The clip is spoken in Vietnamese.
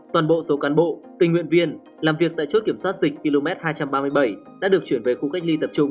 toàn bộ số cán bộ tình nguyện viên làm việc tại chốt kiểm soát dịch km hai trăm ba mươi bảy đã được chuyển về khu cách ly tập trung